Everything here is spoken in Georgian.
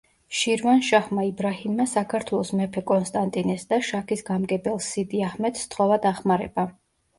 შირვანშაჰმა იბრაჰიმმა საქართველოს მეფე კონსტანტინეს და შაქის გამგებელს სიდი აჰმედს სთხოვა დახმარება.